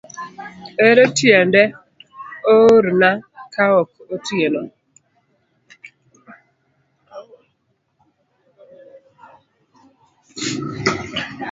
Ere tiende oorna kaok otieko.